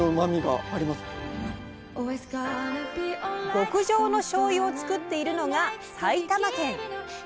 極上のしょうゆを造っているのが埼玉県。